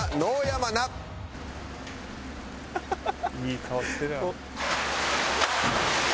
「いい顔してるやん」